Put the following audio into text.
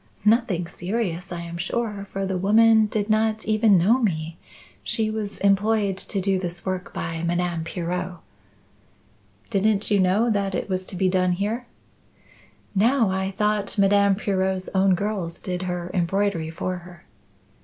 Nothing serious I am sure, for the woman did not even know me. She was employed to do this work by Madame Pirot." "Didn't you know that it was to be done here?" "No. I thought Madame Pirot's own girls did her embroidery for her."